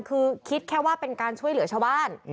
คือคิดแค่ว่าเป็นการช่วยเหลือชาวบ้าน